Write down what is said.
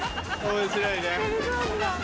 面白いね。